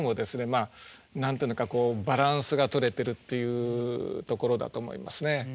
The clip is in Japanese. まあ何と言うのかバランスが取れてるっていうところだと思いますね。